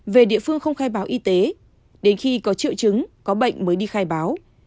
về địa phương không khai báo y tế đến khi có triệu chứng có bệnh mới đi khai báo